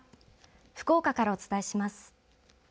福岡からお伝えします。